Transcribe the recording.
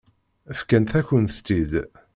Fkant-akent-tt-id.